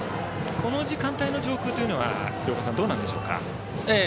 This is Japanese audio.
この時間帯の上空というのは廣岡さん、どうなんでしょうか？